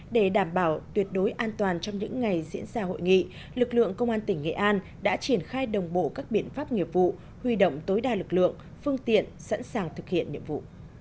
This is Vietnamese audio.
để đảm bảo tuyệt đối an toàn trong những ngày diễn ra hội nghị lực lượng công an tỉnh nghệ an đã triển khai đồng bộ các biện pháp nghiệp vụ huy động tối đa lực lượng phương tiện sẵn sàng thực hiện nhiệm vụ